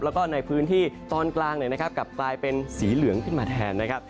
แล้วก็ในพื้นที่ตอนกลางกลับกลายเป็นสีเหลืองขึ้นมาแทนนะครับ